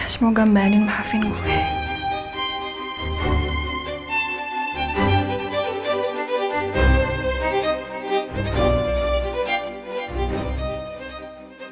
semoga man in bhafin gue